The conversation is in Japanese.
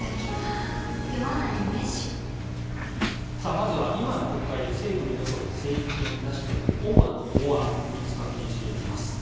まずは、今の国会で政府の与党が成立を目指している主な法案３つ確認していきます。